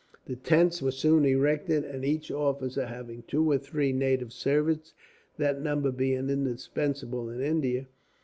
The tents were soon erected, each officer having two or three native servants, that number being indispensable in India.